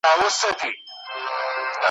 خدای دي نه کړي له سړي څخه لار ورکه `